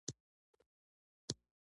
هغه د سوات له واکمن سره لاس یو کړ.